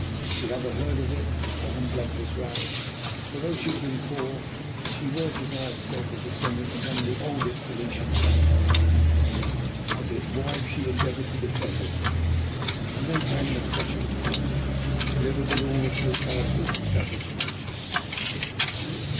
The other heard of it. Her southern blood was roused, for though she had been poor, she was, as I have said, the descendant of one of the oldest Venetian families. As his wife she endeavoured to defend herself, then came the crushing blow, delivered with all the brutality of a savage nature.